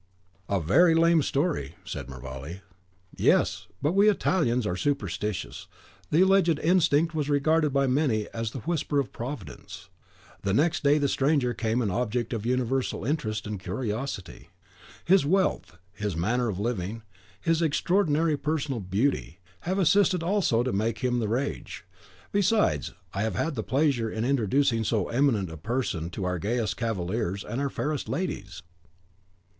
"A very lame story," said Mervale. "Yes! but we Italians are superstitious, the alleged instinct was regarded by many as the whisper of Providence. The next day the stranger became an object of universal interest and curiosity. His wealth, his manner of living, his extraordinary personal beauty, have assisted also to make him the rage; besides, I have had the pleasure in introducing so eminent a person to our gayest cavaliers and our fairest ladies."